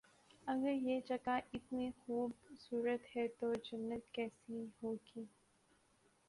اگر یہ جگہ اتنی خوب صورت ہے تو جنت کیسی ہو گی